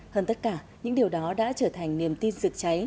hơn tất cả những điều đó đã trở thành niềm tin rực cháy